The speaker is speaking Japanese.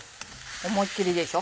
思いっきりでしょ。